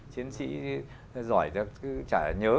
chính sĩ giỏi chứ chả nhớ